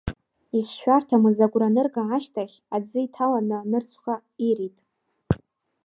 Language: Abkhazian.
Ишшәарҭамыз агәра анырга ашьҭахь, аӡы иҭаланы, нырцәҟа ирит.